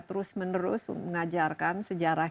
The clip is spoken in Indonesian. terus menerus mengajarkan sejarah